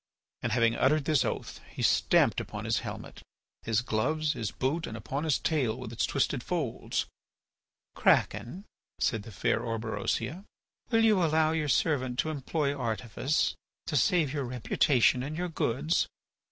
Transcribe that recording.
And having uttered this oath he stamped upon his helmet, his gloves, his boots, and upon his tail with its twisted folds. "Kraken," said the fair Orberosia, "will you allow your servant to employ artifice to save your reputation and your goods?